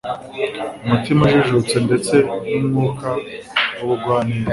umutima ujijutse ndetse n'umwuka w'ubugwaneza